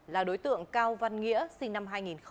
là đối tượng cao văn nghĩa sinh năm hai nghìn